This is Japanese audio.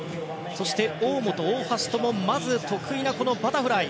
そして大本、大橋共にまず特異なバタフライ。